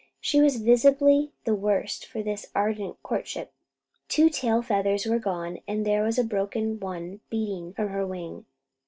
She was visibly the worse for this ardent courtship. Two tail feathers were gone, and there was a broken one beating from her wing.